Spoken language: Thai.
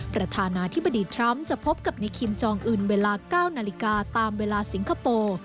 ประธานาธิบดีทรัมป์จะพบกับในคิมจองอื่นเวลา๙นาฬิกาตามเวลาสิงคโปร์